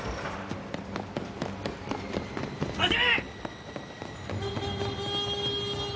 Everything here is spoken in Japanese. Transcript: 待て！